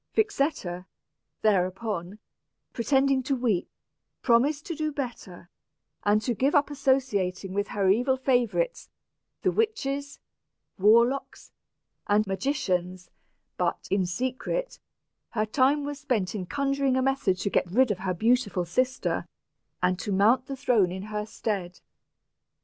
Vixetta, thereupon, pretending to weep, promised to do better, and to give up associating with her evil favorites, the witches, warlocks, and magicians; but, in secret, her time was spent in conjuring a method to get rid of her beautiful sister, and to mount the throne in her stead.